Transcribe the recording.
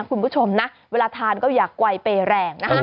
คุณผู้ชมนะเวลาทานก็อยากกวายเปลแรง